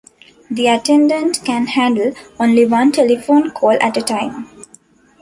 The attendant can handle only one telephone call at a time.